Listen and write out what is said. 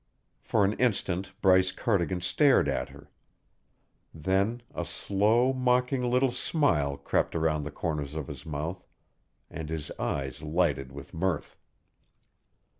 For an instant Bryce Cardigan stared at her; then a slow, mocking little smile crept around the corners of his mouth, and his eyes lighted with mirth.